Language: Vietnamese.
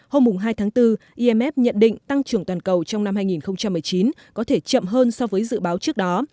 hôm hai tháng bốn imf nhận định tăng trưởng toàn cầu trong năm hai nghìn một mươi chín có thể chậm hơn so với dự báo trước đó